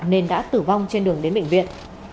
nên đã tử vong trên đường đến bệnh viện